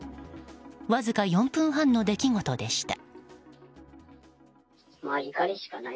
わずか４分半の出来事でした。